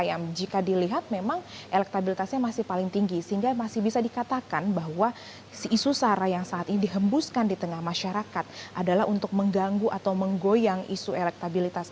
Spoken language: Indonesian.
yang jika dilihat memang elektabilitasnya masih paling tinggi sehingga masih bisa dikatakan bahwa isu sara yang saat ini dihembuskan di tengah masyarakat adalah untuk mengganggu atau menggoyang isu elektabilitas